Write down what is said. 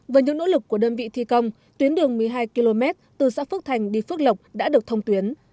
với những nỗ lực của đơn vị thi công tuyến đường một mươi hai km từ xã phước thành đi phước lộc đã được thông tuyến